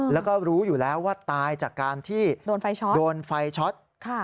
แล้วก็รู้อยู่แล้วว่าตายจากการที่โดนไฟช็อต